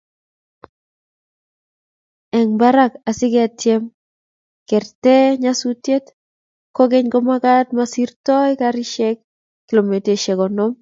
eng barak asigetyem kegerta nyasusiet, kogeny komagaat masirtoi karishek kilomitaishek konom